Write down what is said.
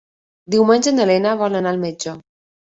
Diumenge na Lena vol anar al metge.